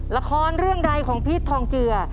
ละครเรื่องใดของพีชทองเจือ